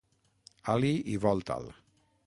Ali i volta'l.